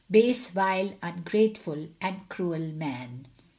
Base, vile, ungrateful, and cruel man.